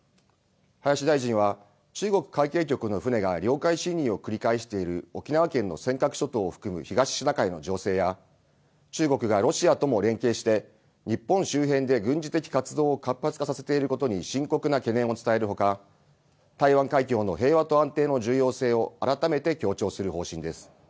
林大臣は、中国海警局の船が領海侵入を繰り返している沖縄県の尖閣諸島を含む東シナ海の情勢や、中国がロシアとも連携して、日本周辺で軍事的活動を活発化させていることに深刻な懸念を伝えるほか、台湾海峡の平和と安定の重要性を改めて強調する方針です。